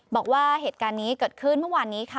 บอกว่าเหตุการณ์นี้เกิดขึ้นเมื่อวานนี้ค่ะ